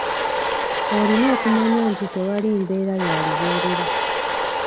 Olina okumanya nti tewali mbeera ya lubeerera